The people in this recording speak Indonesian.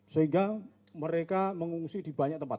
sehingga mereka mengungsi di banyak tempat